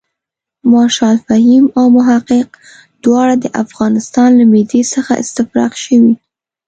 مارشال فهیم او محقق دواړه د افغانستان له معدې څخه استفراق شوي.